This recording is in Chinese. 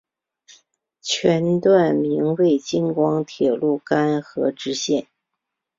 全段名为京广铁路邯和支线。